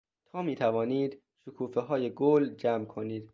تا میتوانید شکوفههای گل جمع کنید.